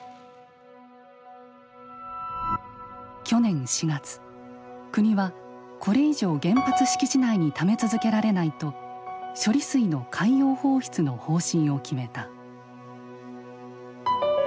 去年４月国はこれ以上原発敷地内にため続けられないと処理水の海洋放出の方針を決めた。